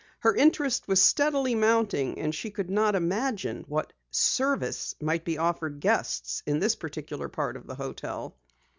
Her interest was steadily mounting and she could not imagine what "service" might be offered guests in this particular part of the hotel.